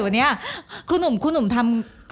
เอ๊ะ